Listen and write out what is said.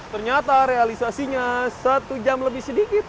ternyata realisasinya satu jam lebih sedikit